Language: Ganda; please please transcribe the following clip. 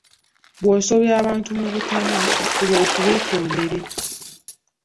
"Bw'osobya abantu mu butanwa, fuba okubeetondere."